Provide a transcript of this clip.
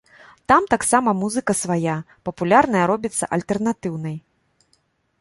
Там таксама музыка свая, папулярная робіцца альтэрнатыўнай.